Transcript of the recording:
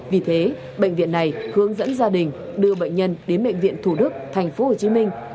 vì thế bệnh viện này hướng dẫn gia đình đưa bệnh nhân đến bệnh viện thủ đức thành phố hồ chí minh